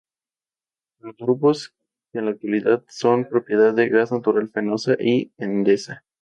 Los dos grupos que la componen son propiedad de Gas Natural Fenosa y Endesa.